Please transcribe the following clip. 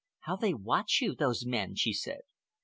"How they watch you, those men!" she said.